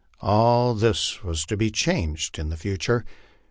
All this was to be changed in the future.